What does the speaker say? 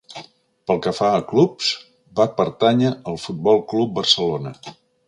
Pel que fa a clubs, va pertànyer al Futbol Club Barcelona.